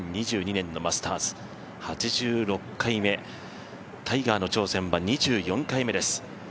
２０２２年のマスターズ８６回目タイガーの挑戦は２４回目です。